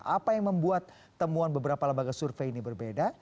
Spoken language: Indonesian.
apa yang membuat temuan beberapa lembaga survei ini berbeda